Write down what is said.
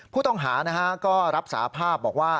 ผู้ต้องหาก็รับสาภาพบอกว่า